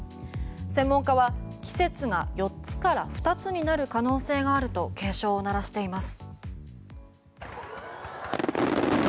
専門家は季節が四つから二つになる可能性があると警鐘を鳴らしています。